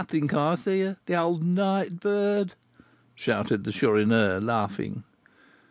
I think I see her, the old night bird!" shouted the Chourineur, laughing.